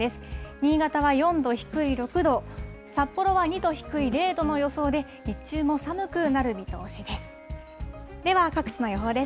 新潟は４度低い６度、札幌は２度低い０度の予想で、日中も寒くなる見通しです。